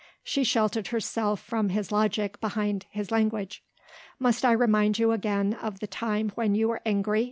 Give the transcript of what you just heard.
She sheltered herself from his logic behind his language. "Must I remind you again of the time when you were angry?"